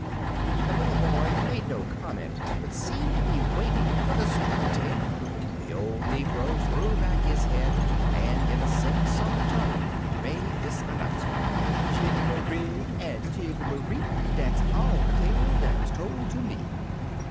The little boy made no comment, but seemed to be waiting for the story to end. The old negro threw his head back, and in a sing song tone made this announcement :—" Jig a ma rig, an' a jig a ma ree! Dat's all de tale dat 'uz tol' ter me!'